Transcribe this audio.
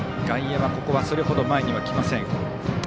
外野はそれほど前には来ません。